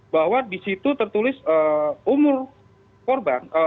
bahwa di situ tertulis umur korban